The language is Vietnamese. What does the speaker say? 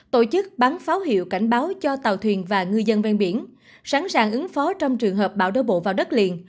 tổ chức bắn pháo hiệu cảnh báo cho tàu thuyền và ngư dân ven biển sẵn sàng ứng phó trong trường hợp bão đổ bộ vào đất liền